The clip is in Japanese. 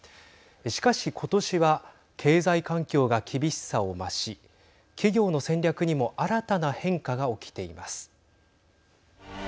しかし今年は経済環境が厳しさを増し企業の戦略にも新たな変化が起きています。